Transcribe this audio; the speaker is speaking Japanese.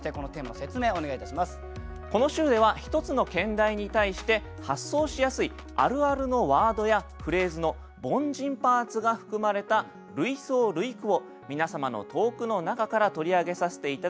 この週では一つの兼題に対して発想しやすいあるあるのワードやフレーズの「凡人パーツ」が含まれた類想類句を皆様の投句の中から取り上げさせて頂き